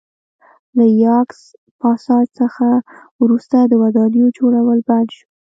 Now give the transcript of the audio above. له یاکس پاساج څخه وروسته د ودانیو جوړول بند شول